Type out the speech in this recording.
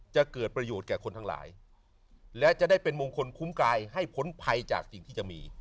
จะเกิดประโยชน์แก่คนทั้งหลายและจะได้เป็นมงคลคุ้มกายให้พ้นภัยจากสิ่งที่จะมี